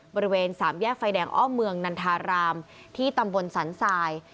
บริเวณสามแยกไฟแดงอ้อมเมืองนันทารามที่ตำบลสันทราย